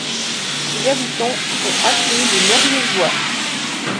Ses habitants sont appelés les Moriézois.